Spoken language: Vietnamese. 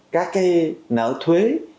các cái nợ thuế